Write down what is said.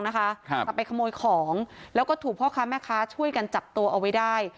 จะไปขโมยของแล้วก็ถูกพ่อค้าแม่ค้าช่วยกันจับตัวเอาไว้ได้